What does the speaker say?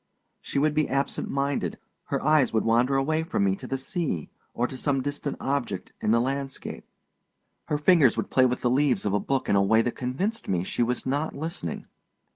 She would be absent minded, her eyes would wander away from me to the sea, or to some distant object in the landscape; her fingers would play with the leaves of a book in a way that convinced me she was not listening.